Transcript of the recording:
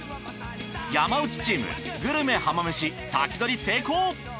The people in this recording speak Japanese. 山内チームグルメ浜めし先取り成功！